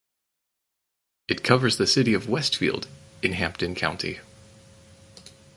It covers the city of Westfield in Hampden County.